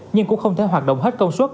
nhưng cũng không thể hoạt động hết công suất